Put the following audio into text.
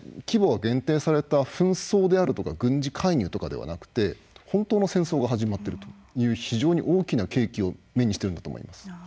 規模が限定された紛争であるとか軍事介入とかではなくて本当の戦争が始まってるという非常に大きな契機を目にしてるんだと思います。